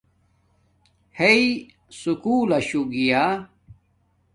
ھݵ سکُول لشو گیا